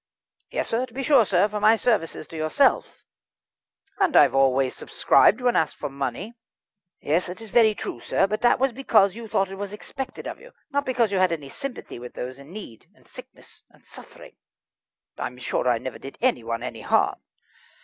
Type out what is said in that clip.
"Yes, sir, to be sure, sir, for my services to yourself." "And I've always subscribed when asked for money." "Yes, that is very true, sir, but that was because you thought it was expected of you, not because you had any sympathy with those in need, and sickness, and suffering." "I'm sure I never did anyone any harm."